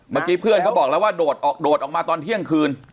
เมื่อกี้เพื่อนเขาบอกแล้วว่าโดดออกมาตอนเที่ยงคืน